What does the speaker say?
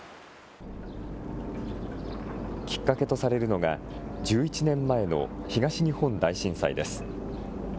きっかけとされるのが、１１年前の東日本大震災です。